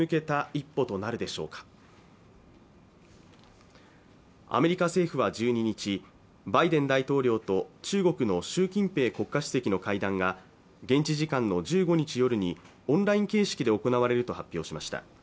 関係修復へ向けた一歩となるでしょうかアメリカ政府は１２日バイデン大統領と中国の習近平国家主席の会談が現地時間の１５日夜にオンライン形式で行われると発表しました